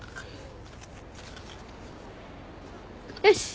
よし！